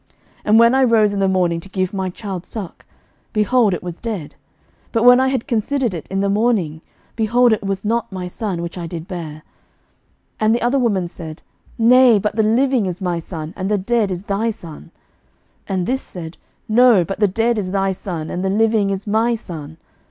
11:003:021 And when I rose in the morning to give my child suck, behold, it was dead: but when I had considered it in the morning, behold, it was not my son, which I did bear. 11:003:022 And the other woman said, Nay; but the living is my son, and the dead is thy son. And this said, No; but the dead is thy son, and the living is my son.